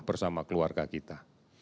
bersama keluarga kita